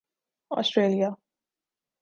Australia